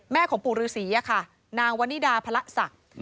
แม่ของปู่ฤษีนางวณิดาพระศักดิ์